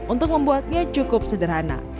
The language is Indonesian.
untuk membuatnya cukup sederhana